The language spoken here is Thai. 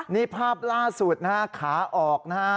นี่ภาพล่าสุดนะขาออกหน้า